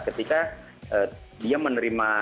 ketika dia menerima